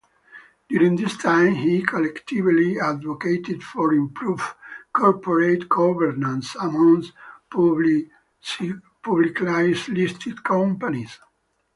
During this time he collectively advocated for improved corporate governance amongst publiclylisted companies.